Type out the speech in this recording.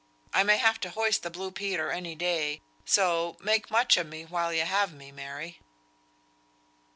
I may have to hoist the blue Peter any day; so, make much of me while you have me, Mary."